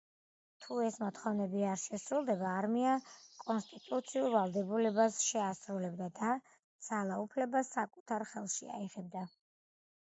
თუ ეს მოთხოვნები არ შესრულდებოდა, არმია „კონსტიტუციურ ვალდებულებას შეასრულებდა“ და ძალაუფლებას საკუთარ ხელში აიღებდა.